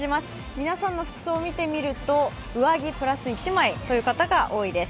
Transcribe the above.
皆さんの服装を見てみると、上着プラス１枚という方が多いです。